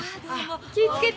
気ぃ付けて。